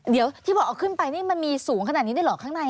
เดี๋ยวที่บอกเอาขึ้นไปนี่มันมีสูงขนาดนี้ได้เหรอข้างใน